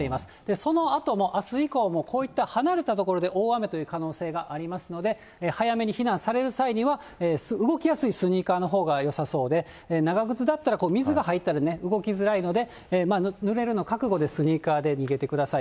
そのあとも、あす以降もこういった離れた所で大雨という可能性がありますので、早めに避難される際には、動きやすいスニーカーのほうがよさそうで、長靴だったら、水が入ったら、動きづらいので、ぬれるの覚悟でスニーカーで逃げてください。